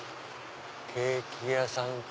ケーキ屋さんか？